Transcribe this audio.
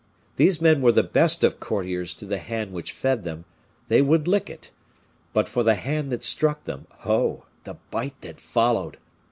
These men were the best of courtiers to the hand which fed them they would lick it; but for the hand that struck them, oh! the bite that followed!